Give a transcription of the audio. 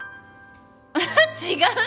違う！